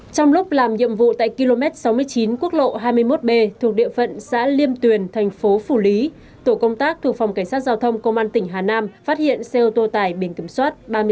trong lúc làm nhiệm vụ tại km sáu mươi chín quốc lộ hai mươi một b thuộc địa phận xã liêm tuyền thành phố phủ lý tổ công tác thuộc phòng cảnh sát giao thông công an tỉnh hà nam phát hiện xe ô tô tải biển kiểm soát ba mươi tám